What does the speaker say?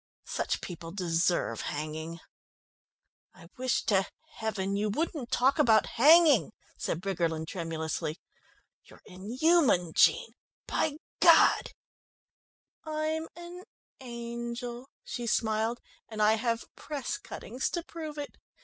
Such people deserve hanging." "I wish to heaven you wouldn't talk about hanging," said Briggerland tremulously, "you're inhuman, Jean, by God " "I'm an angel," she smiled, "and I have press cuttings to prove it!